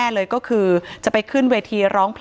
ถ้าใครอยากรู้ว่าลุงพลมีโปรแกรมทำอะไรที่ไหนยังไง